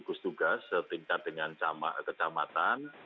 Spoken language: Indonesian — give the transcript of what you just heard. gugus tugas setingkat dengan kecamatan